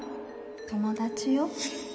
友達よ。